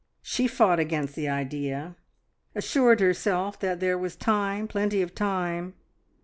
She fought against the idea; assured herself that there was time, plenty of time.